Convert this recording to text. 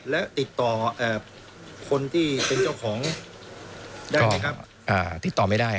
และติดต่อคนที่เป็นเจ้าของได้ไหมครับติดต่อไม่ได้